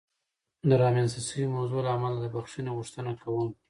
د رامنځته شوې موضوع له امله د بخښنې غوښتنه کوم.